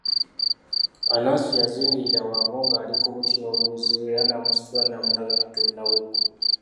Anansi yazingirira Wango ng'ali ku buti n'oluwuzi lwe era n'amusitula n'amulaga katonda w'eggulu.